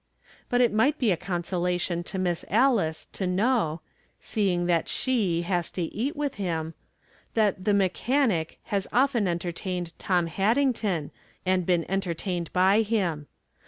Biit it might be a consolation to Miss Alice to know (seeing that she has to eat with him) that the mechanic has often entertained Tom Haddington and been entertained by him.